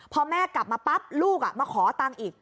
พอแม่กลับมาปั๊บลูกมาขอตังค์อีก